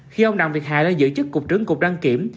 khi ông đặng việt hà lên giữ chức cục trưởng cục đăng kiểm